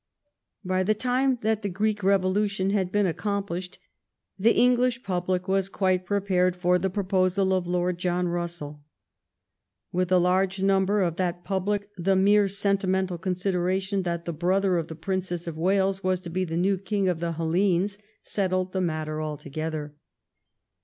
By the time that the Greek revolution had been accomplished, the English public was quite prepared for the proposal of Lord John Russell. With a large number of that public the mere sentimental consideration that the brother of the Princess of Wales was to be the new King of the Hellenes settled the matter altogether.